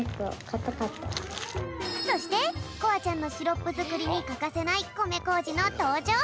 そしてこあちゃんのシロップづくりにかかせないこめこうじのとうじょう！